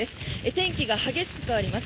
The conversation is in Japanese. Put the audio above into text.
天気が激しく変わります。